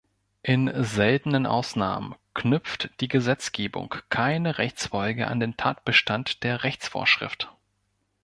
In seltenen Ausnahmen knüpft die Gesetzgebung keine Rechtsfolge an den Tatbestand der Rechtsvorschrift.